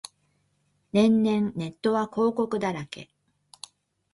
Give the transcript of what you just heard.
年々ネットは広告だらけ